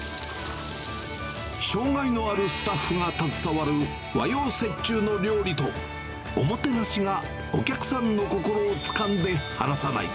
障がいのあるスタッフが携わる和洋折衷の料理と、おもてなしがお客さんの心をつかんで離さない。